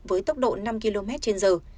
với tốc độ năm km trên giờ